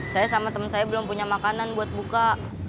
saya sama teman saya belum punya makanan buat buka